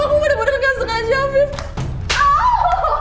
aku bener bener gak sengaja afif